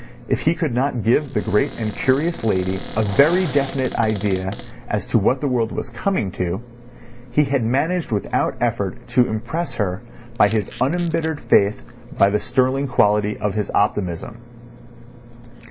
If he could not give the great and curious lady a very definite idea as to what the world was coming to, he had managed without effort to impress her by his unembittered faith, by the sterling quality of his optimism.